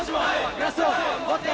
グラスを持って。